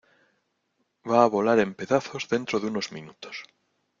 Va a volar en pedazos dentro de unos minutos